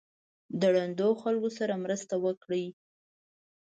د ړندو خلکو سره مرسته وکړئ.